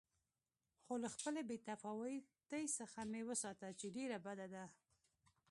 خو له خپلې بې تفاوتۍ څخه مې وساته چې ډېره بده ده.